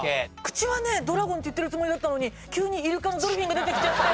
口はねドラゴンって言ってるつもりだったのに急にイルカのドルフィンが出てきちゃって。